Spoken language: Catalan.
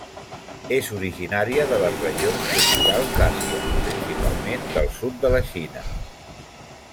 És originària de les regions tropicals d'Àsia, principalment del sud de la Xina.